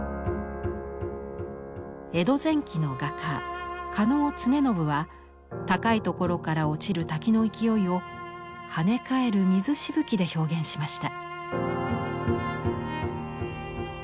江戸前期の画家狩野常信は高い所から落ちる滝の勢いを跳ね返る水しぶきで表現しました。